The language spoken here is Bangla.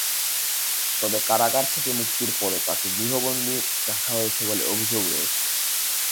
তবে কারাগার থেকে মুক্তির পরও তাঁকে গৃহবন্দী রাখা হয়েছে বলে অভিযোগ রয়েছে।